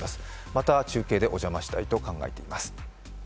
また中継でお邪魔したいと考えています。